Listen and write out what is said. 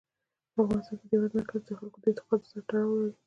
په افغانستان کې د هېواد مرکز د خلکو د اعتقاداتو سره تړاو لري.